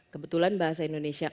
kebetulan bahasa indonesia